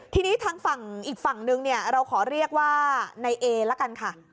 ทีนี้อีกฝั่งหนึ่งเราขอเรียกว่าในเอละกันค่ะ